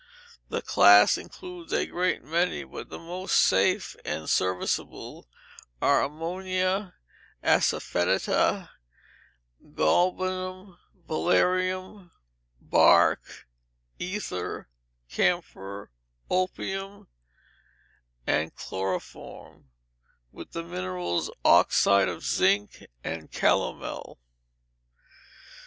The class includes a great many, but the most safe and serviceable are ammonia, assafoetida, galbanum, valerian, bark, ether, camphor, opium, and chloroform; with the minerals, oxide of zinc and calomel.